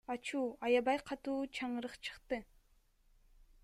Ачуу, аябай катуу чаңырык чыкты.